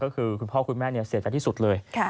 ก็คือคุณพ่อคุณแม่เสียใจที่สุดเลย